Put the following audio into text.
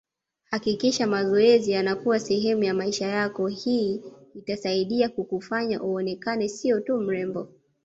Hakikisha mazoezi yanakuwa sehemu ya maisha yako hii itasaidia kukufanya uonekane siyo tu mrembo